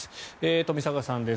冨坂さんです。